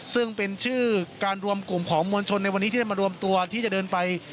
ซึ่งเป็นชื่อการรวมกลุ่มของมวลชนในวันนี้ที่ได้มารวมตัวที่จะเดินไป